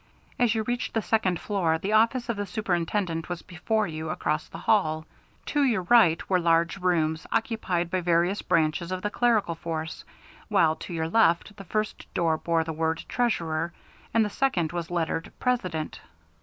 As you reached the second floor, the office of the Superintendent was before you, across the hall. To your right were large rooms occupied by various branches of the clerical force, while to your left the first door bore the word "Treasurer," and the second was lettered "President."